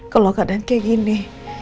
kalau keadaan kayak gini